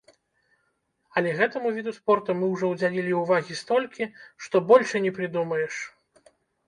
Але гэтаму віду спорту мы ўжо ўдзялілі ўвагі столькі, што больш і не прыдумаеш.